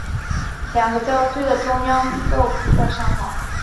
两个教区的中央机构在上海。